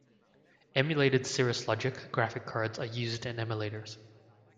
Emulated Cirrus Logic graphic cards are used in emulators.